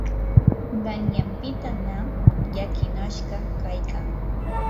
qanyanpitanam llakinashqa kaykaa.